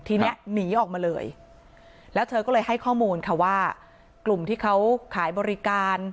ทีนี้หนีออกมาเลยแล้วเธอก็เลยให้ข้อมูลค่ะว่ากลุ่มที่เขาขายบริการ